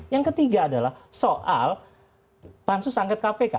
yang ketiga adalah soal pansus angket kpk